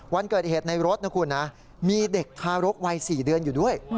วันเกิดเหตุในรถนะคุณนะมีเด็กทารกวัย๔เดือนอยู่ด้วย